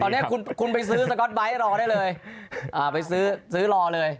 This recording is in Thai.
ตอนนี้คุณไปซื้อสก๊อตไบท์รอได้เลยไปซื้อซื้อรอเลย